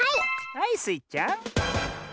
はいスイちゃん。